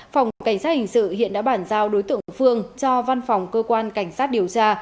phòng cảnh sát hình sự hiện đã bản giao đối tượng phương cho văn phòng cơ quan cảnh sát điều tra